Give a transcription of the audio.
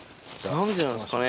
何でなんですかね。